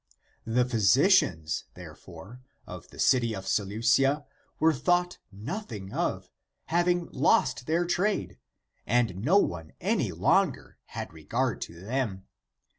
The physicians, there fore, of the city of Seleucia were thought nothing of, having lost their trade, and no one any longer had regard to them.